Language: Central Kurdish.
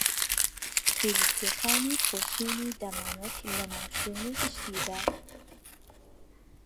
پێویستیەکانی پۆشینی دەمامک لەناو شوێنی گشتیدا